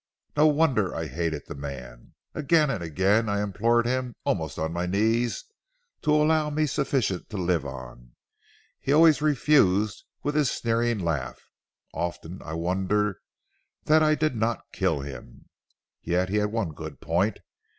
No wonder I hated the man. Again and again I implored 'him almost on my knees to allow me sufficient to live on. He always refused with his sneering laugh. Often I wonder that I did not kill him. Yet he had one good point.